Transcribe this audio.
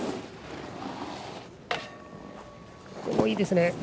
いいですね。